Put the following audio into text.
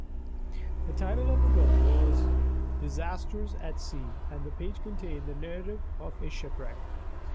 The title of the book was "Disasters at Sea"; and the page contained the narrative of a shipwreck.